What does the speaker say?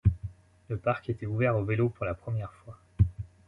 Le parc était ouvert aux vélos pour la première fois.